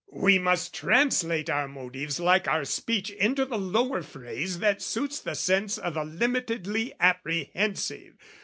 We must translate our motives like our speech Into the lower phrase that suits the sense O' the limitedly apprehensive.